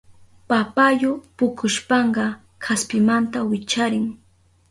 Papayu pukushpanka kaspimanta wicharin.